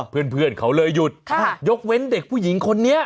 เพื่อนเขาเลยหยุดยกเว้นเด็กผู้หญิงคนนี้